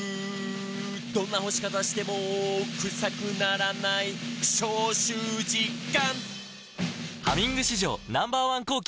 「どんな干し方してもクサくならない」「消臭実感！」